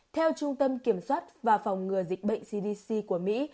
theo trung tâm kiểm soát và phòng ngừa dịch bệnh cdc của mỹ